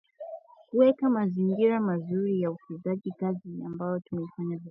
Kuweka mazingira mazuri ya uwekezaji kazi ambayo tumeifanya vizuri sana